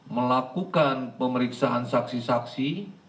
melakukan pemeriksaan saksi saksi